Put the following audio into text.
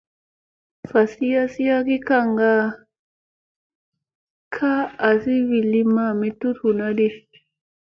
Vasi yassi ha ki kaŋgaa ka a asi wi li ma ami kal huuna di.